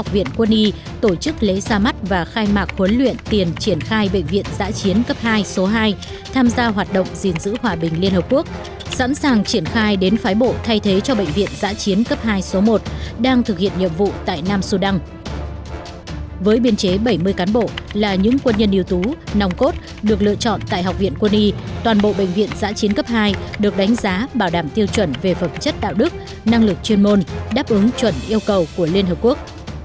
với biên chế bảy mươi cán bộ là những quân nhân yếu tố nòng cốt được lựa chọn tại học viện quân y toàn bộ bệnh viện giã chiến cấp hai được đánh giá bảo đảm tiêu chuẩn về phẩm chất đạo đức năng lực chuyên môn đáp ứng chuẩn yêu cầu của liên hợp quốc